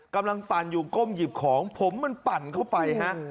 ปั่นอยู่ก้มหยิบของผมมันปั่นเข้าไปฮะ